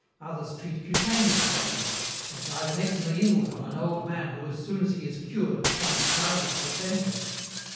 Others treat cutaneous affections. They drive an eczema inward on an old man who as soon as he is 'cured' becomes childish or dangerous.